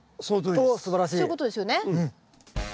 そういうことですよね？